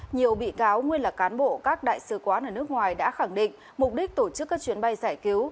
nhiều bị cáo nguyên là cán bộ các đại sứ quán ở nước ngoài đã khẳng định mục đích tổ chức các chuyến bay giải cứu